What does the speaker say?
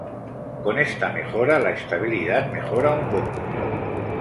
Con esta mejora, la estabilidad mejora un poco.